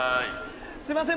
すいません。